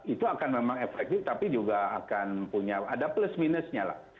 itu akan memang efektif tapi juga akan punya ada plus minusnya lah